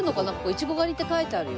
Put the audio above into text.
「いちご狩り」って書いてあるよ。